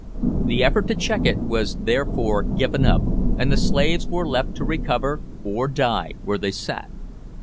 The effort to check it was therefore given up, and the slaves were left to recover or die where they sat.